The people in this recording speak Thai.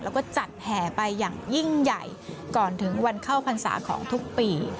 แล้วก็จัดแห่ไปอย่างยิ่งใหญ่ก่อนถึงวันเข้าพรรษาของทุกปี